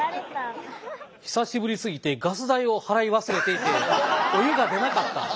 久しぶりすぎてガス代を払い忘れていてお湯が出なかった。